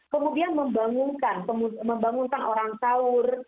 kemudian membangunkan orang sahur